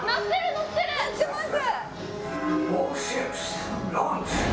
乗ってます！